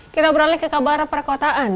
kita beralih ke kabar perkotaan